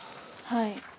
はい。